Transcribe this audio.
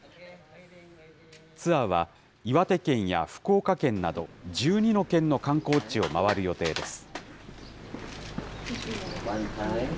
ツアーは、岩手県や福岡県など、１２の県の観光地を回る予定です。